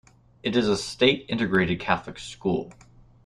It is a state integrated Catholic school.